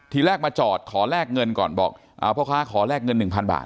ทีแรกมาจอดขอแลกเงินก่อนบอกพ่อค้าขอแลกเงิน๑๐๐บาท